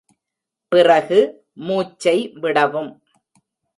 பிறகு மூச்சை விடவும்.